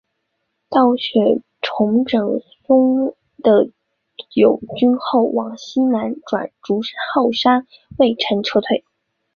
道雪重整休松的友军后往西南转进筑后山隈城撤退。